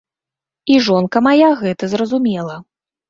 І жонка мая гэта зразумела.